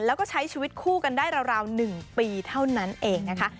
แล้วก็ใช้ชีวิตคู่กันได้ราว๑ปีเท่านั้นเองนะคะ